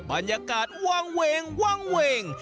บรรยากาศวางเวงวางเวง